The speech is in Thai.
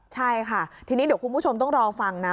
ใช่ค่ะทีนี้เดี๋ยวคุณผู้ชมต้องรอฟังนะ